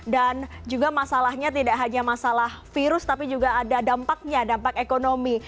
dan juga masalahnya tidak hanya masalah virus tapi juga ada dampaknya dampak ekonomi